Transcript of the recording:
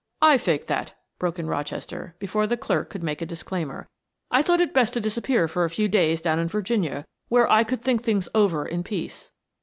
"I faked that," broke in Rochester, before the clerk could make a disclaimer. "I thought it best to disappear for a few days down in Virginia, where I could think things over in peace."